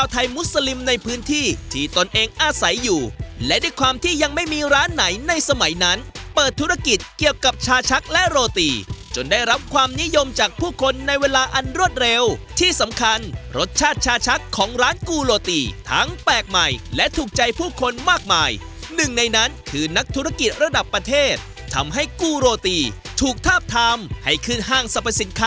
มุสลิมในพื้นที่ที่ตนเองอาศัยอยู่และด้วยความที่ยังไม่มีร้านไหนในสมัยนั้นเปิดธุรกิจเกี่ยวกับชาชักและโรตีจนได้รับความนิยมจากผู้คนในเวลาอันรวดเร็วที่สำคัญรสชาติชาชักของร้านกูโรตีทั้งแปลกใหม่และถูกใจผู้คนมากมายหนึ่งในนั้นคือนักธุรกิจระดับประเทศทำให้กูโรตีถูกทาบทำให้ขึ้นห้างสรรพสินค้า